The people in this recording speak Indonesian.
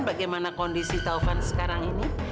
bagaimana kondisi taufan sekarang ini